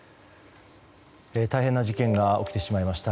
大変な事件が起きてしまいました。